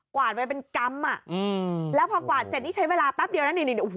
กวาดไปเป็นกรรมแล้วพอกวาดเสร็จนี่ใช้เวลาแป๊บเดียวนี่